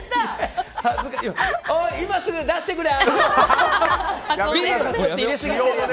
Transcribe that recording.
今すぐ出してくれ！